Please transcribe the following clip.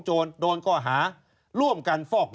ชีวิตกระมวลวิสิทธิ์สุภาณฑ์